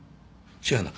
違うな。